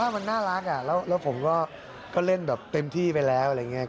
มันน่ารักแล้วผมก็เล่นเต็มที่ไปแล้ว